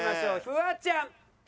フワちゃん！